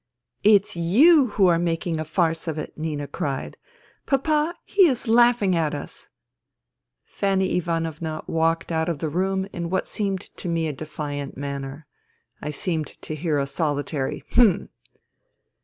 " It's you who are making a farce of it," Nina cried. " Papa, he is laughing at us !" Fanny Ivanovna walked out of the room in what seemed to me a defiant manner. I seemed to hear a solitary " Hm